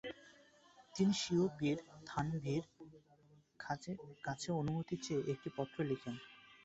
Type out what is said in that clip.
তিনি স্বীয় পীর থানভীর কাছে অনুমতি চেয়ে একটি পত্র লিখেন।